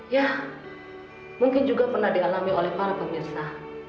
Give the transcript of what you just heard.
ya mungkin juga pernah dialami oleh para pemirsa